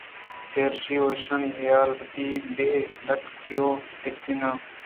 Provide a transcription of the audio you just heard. چرایشی ءَ ایشانی حیال ءَ وتی بے لِٹّکی ءَ ٹَگلیناں